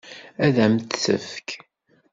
Ad m-t-tefk?